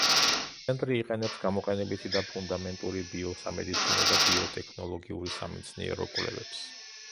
ცენტრი იყენებს გამოყენებითი და ფუნდამენტური ბიოსამედიცინო და ბიოტექნოლოგიური სამეცნიერო კვლევებს.